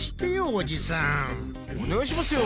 お願いしますよ。